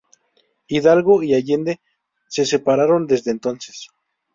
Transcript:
Hidalgo y Allende se separaron desde entonces.